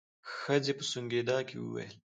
ښځې په سونګېدا کې وويل.